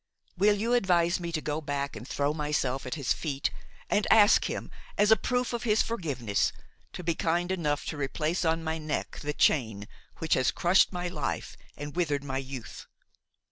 Will you advise me to go back and throw myself at his feet, and ask him, as a proof of his forgiveness, to be kind enough to replace on my neck the chain which has crushed my life and withered my youth?